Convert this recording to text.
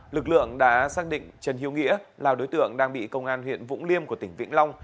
lực lượng đã xác định trần hiếu nghĩa là đối tượng đang bị công an huyện vũng liêm của tỉnh vĩnh long